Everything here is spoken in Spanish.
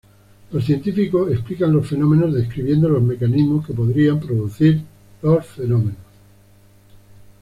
Los científicos explican los fenómenos describiendo los mecanismos que podrían producir los fenómenos.